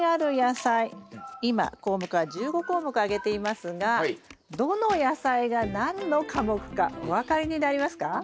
今項目は１５項目挙げていますがどの野菜が何の科目かお分かりになりますか？